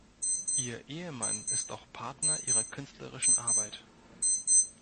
Ihr Ehemann ist auch Partner ihrer künstlerischen Arbeit.